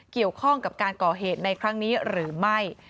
เกี่ยวข้องกับการก่อเหตุในครั้งนี้หรือไม่